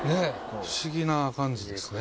不思議な感じですね。